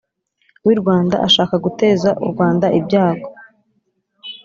wirwanda ashaka guteza urwanda ibyago